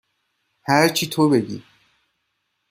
هرچی تو بگی.